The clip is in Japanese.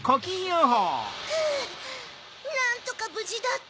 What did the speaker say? フゥなんとかぶじだった。